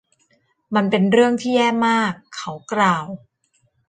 มันเป็นเรื่องที่แย่มาก เขากล่าว